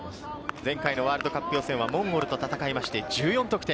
前回のワールドカップ予選はモンゴルと戦いまして１４得点。